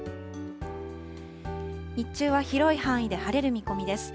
日中は広い範囲で晴れる見込みです。